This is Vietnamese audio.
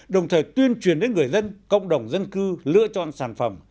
đồng thời tuyên truyền đến người dân cộng đồng dân cư lựa chọn sản phẩm